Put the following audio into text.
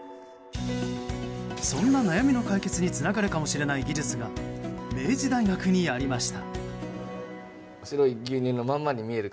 そんな悩みの解決につながるかもしれない技術が明治大学にありました。